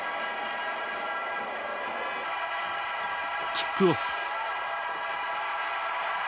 キックオフ。